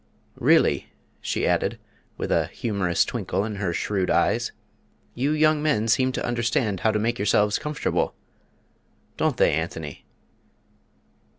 Really," she added, with a humorous twinkle in her shrewd eyes, "you young men seem to understand how to make yourselves comfortable don't they, Anthony?"